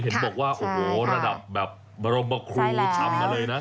เห็นบอกว่าระดับบรมบคูทำอะไรนะ